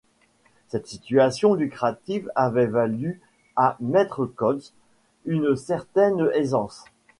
Cette situation lucrative avait valu à maître Koltz une certaine aisance.